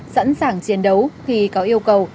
sẵn sàng chiến đấu khi có yêu cầu